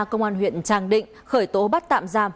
công an huyện trang định khởi tố bắt tạm giam